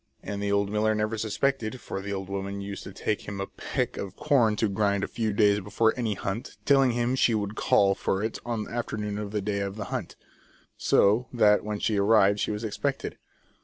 And the old miller never suspected, for the old woman used to take him a peck of corn to grind a few days before any hunt, telling him she would call for it on the afternoon of the day of the hunt. So that when she arrived she was expected.